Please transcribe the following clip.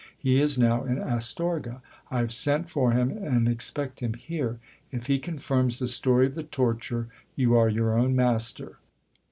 He is now in Astorga. I have sent for him, and expect him here ; if he confirms the story of the torture, you are your own master.